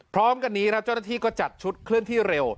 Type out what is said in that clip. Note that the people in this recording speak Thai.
พร้อมกันนี้ครับเจ้าหน้าที่ก็จัดชุดเคลื่อนที่เร็ว